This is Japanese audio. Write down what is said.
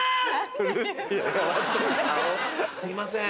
すいません。